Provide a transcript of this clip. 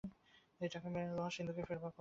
এ টাকা লোহার সিন্দুকে ফেরবার পথ বন্ধ।